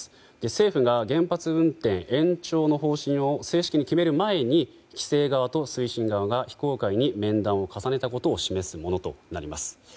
政府が原発運転延長の方針を正式に決める前に規制側と推進側が非公開に面談を重ねたことを示すものとなります。